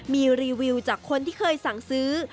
มีรีวิวจากคนที่เคยสั่งซื้อ